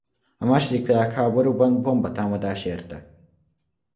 A második világháborúban bombatámadás érte.